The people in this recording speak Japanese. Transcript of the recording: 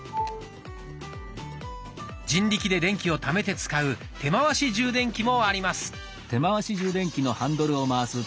人力で電気をためて使う手回し充電器もあります。